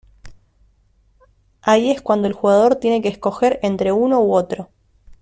Ahí es cuando el jugador tiene que escoger entre uno u otro.